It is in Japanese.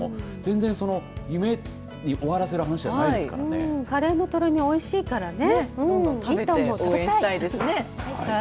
全然、夢に終わらせる話カレーのとろみおいしいからね。